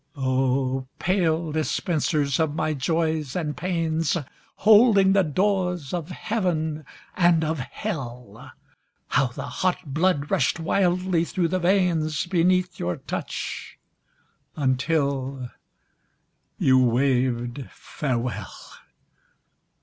Oh, pale dispensers of my Joys and Pains, Holding the doors of Heaven and of Hell, How the hot blood rushed wildly through the veins Beneath your touch, until you waved farewell.